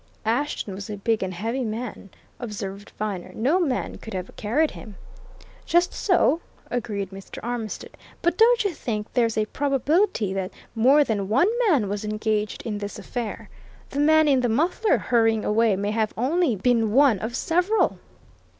"Ashton was a big and heavy man," observed Viner. "No one man could have carried him." "Just so!" agreed Mr. Armitstead. "But don't you think there's a probability that more than one man was engaged in this affair! The man in the muffler, hurrying away, may have only been one of several."